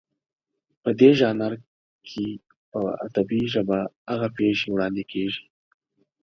په دې ژانر کې په ادبي ژبه هغه پېښې وړاندې کېږي